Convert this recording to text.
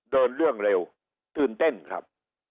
เดินเรื่องเร็วตื่นเต้นครับ